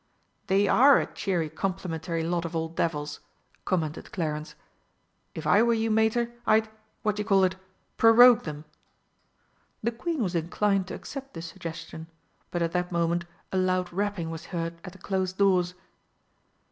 "They are a cheery complimentary lot of old devils!" commented Clarence. "If I were you, Mater, I'd what d'ye call it? prorogue 'em." The Queen was inclined to accept this suggestion, but at that moment a loud rapping was heard at the closed doors.